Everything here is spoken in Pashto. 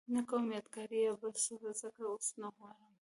نه کوم یادګار یا بل څه ځکه اوس نه غواړم.